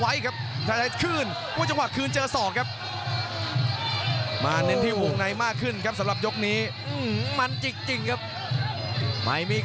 โอ้โหเจอเหลี่ยมของรุ่นพี่